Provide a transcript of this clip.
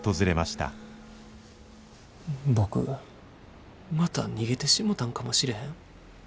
僕また逃げてしもたんかもしれへん。